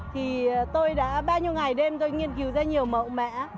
thì tôi đã bao nhiêu ngày đêm tôi nghiên cứu ra nhiều mẫu mã